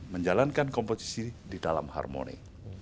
menjalankan kompetisi di dalam harmoni